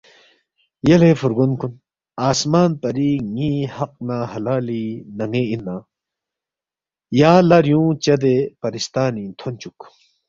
یلے فُورگون کُن آسمان پری ن٘ی حق نہ حلالی نن٘ے اِن نہ یا لہ ریُونگ چدے پرستانِنگ تھونچُوک